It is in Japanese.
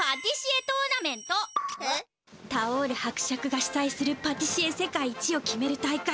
タオール伯爵がしゅさいするパティシエ世界一を決める大会！